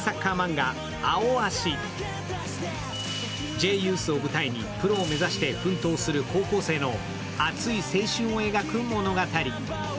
Ｊユースを舞台に、プロを目指して奮闘する高校生の熱い青春を描く物語。